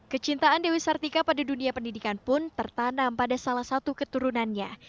kecintaan dewi sartika pada dunia pendidikan pun tertanam pada salah satu keturunannya